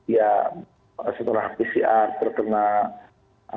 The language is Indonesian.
ya setelah pcr terkena covid